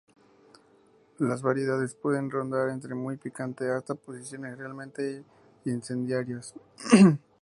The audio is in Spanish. Las variedades pueden rondar entre muy picante hasta posiciones realmente incendiarias.